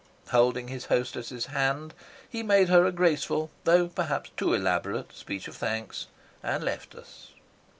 Holding his hostess' hand, he made her a graceful, though perhaps too elaborate, speech of thanks, and left us.